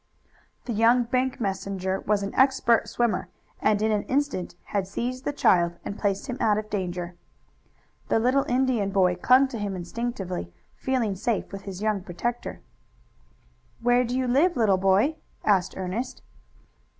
The young bank messenger was an expert swimmer, and in an instant had seized the child and placed him out of danger. The little Indian boy clung to him instinctively, feeling safe with his young protector. "Where do you live, little boy?" asked Ernest.